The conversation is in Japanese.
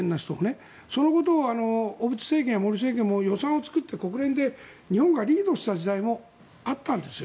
そのことを小渕政権、森政権も予算を作って国連で日本がリードした時代もあったんです。